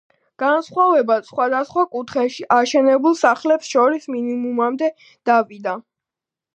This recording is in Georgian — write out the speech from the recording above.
განსხვავებაც სხვადასხვა კუთხეში აშენებულ სახლებს შორის მინიმუმამდე დავიდა.